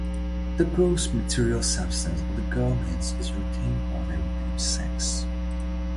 The gross material substance of the garments is retained by their namesakes.